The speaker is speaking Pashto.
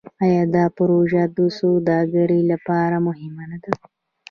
آیا دا پروژه د سوداګرۍ لپاره مهمه نه ده؟